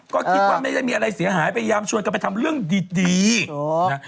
ก็คิดว่าไม่ได้มีอะไรเสียหายพยายามชวนกันไปทำเรื่องดีดีนะ